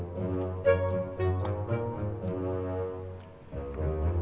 terima kasih teman teman